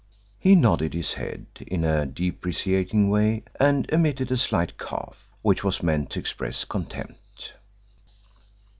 He nodded his head in a deprecating way and emitted a slight cough which was meant to express contempt.